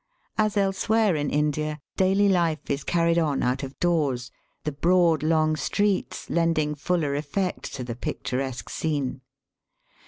As elsewhere in India, daily life is carried on out of doors, the broad long streets lending fuller effect to the picturesque scene.